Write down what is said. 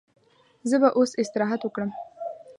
زه به اوس استراحت وکړم.